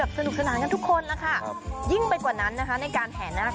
สนุกสนานกันทุกคนแล้วค่ะยิ่งไปกว่านั้นนะคะในการแห่นาค